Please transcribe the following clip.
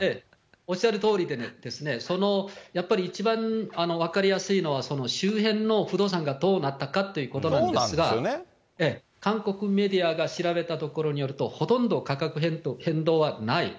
おっしゃるとおりで、そのやっぱり一番分かりやすいのは、その周辺の不動産がどうなったかということなんですが、韓国メディアが調べたところによると、ほとんど価格変動はない。